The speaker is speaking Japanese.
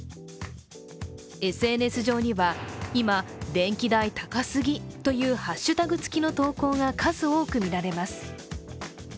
ＳＮＳ上には今、電気代高すぎというハッシュタグつきの投稿が数多く見られます。